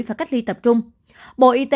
phải cắt ly tập trung đến cơ sở y tế